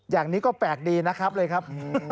อย่างนี้ก็แปลกดีนะครับ